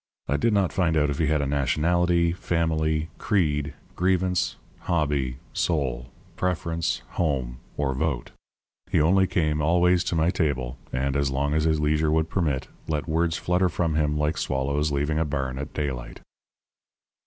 I did not find out if he had a nationality, family, creed, grievance, hobby, soul, preference, home, or vote. He only came always to my table and, as long as his leisure would permit, let words flutter from him like swallows leaving a barn at daylight.